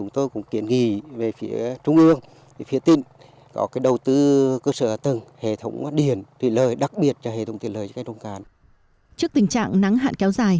trước tình trạng nắng hạn kéo dài